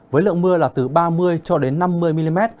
với lượng mưa là từ ba mươi cho đến năm mươi mm